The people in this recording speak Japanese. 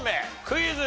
クイズ。